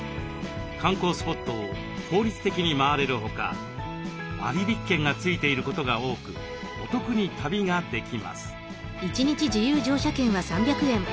観光スポットを効率的に回れるほか割引券がついていることが多くお得に旅ができます。